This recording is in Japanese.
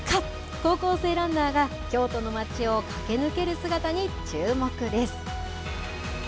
高校生ランナーが京都の町を駆け抜ける姿にチューモクです。